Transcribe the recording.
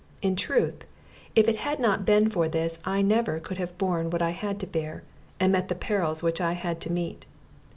In truth, if it had not been for this I never could have borne what I had to bear, and met the perils which I had to meet.